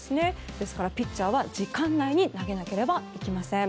ですからピッチャーは時間内に投げなければいけません。